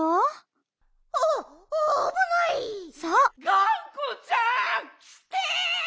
・がんこちゃんきて！